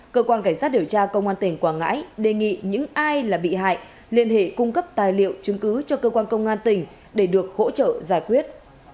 cơ quan cảnh sát điều tra công an tỉnh quảng ngãi đề nghị những ai là bị hại liên hệ cung cấp tài liệu chứng cứ cho cơ quan công an tỉnh để được hỗ trợ giải quyết